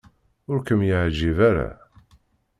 Ur kem-yeɛjib ara?